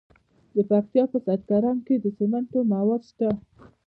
د پکتیا په سید کرم کې د سمنټو مواد شته.